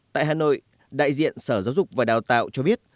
tại hà nội đại diện sở giáo dục và đào tạo cho biết